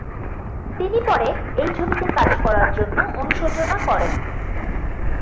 তিনি পরে এই ছবিতে কাজ করার জন্য অনুশোচনা করেন।